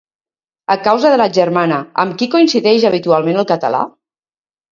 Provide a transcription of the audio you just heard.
A causa de la germana, amb qui coincideix habitualment el català?